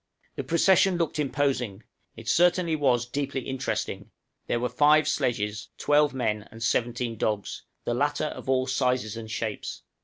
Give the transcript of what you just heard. The procession looked imposing it certainly was deeply interesting; there were five sledges, twelve men, and seventeen dogs, the latter of all sizes and shapes.